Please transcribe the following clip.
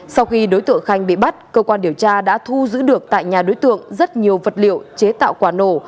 sau khi đối tượng khanh bị bắt cơ quan điều tra đã thu giữ được tại nhà đối tượng rất nhiều vật liệu chế tạo quả nổ